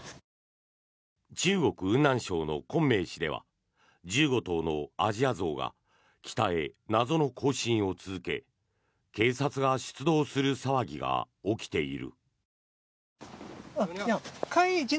中国・雲南省の昆明市では１５頭のアジアゾウが北へ謎の行進を続け警察が出動する騒ぎが起きている。